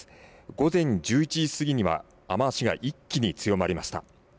午前１１時過ぎには雨足が一気に強まりました。